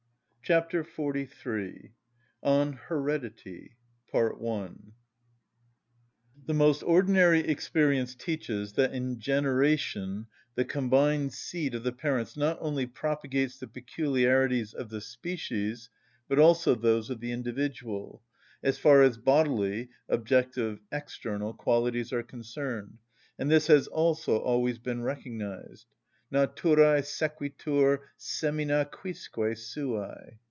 Chapter XLIII. On Heredity. The most ordinary experience teaches that in generation the combined seed of the parents not only propagates the peculiarities of the species, but also those of the individual, as far as bodily (objective, external) qualities are concerned, and this has also always been recognised— "_Naturæ sequitur semina quisque suæ.